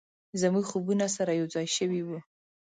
زموږ خوبونه سره یو ځای شوي و،